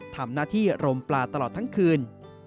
ทำหน้าที่รมปลาตลอดทั้งคืน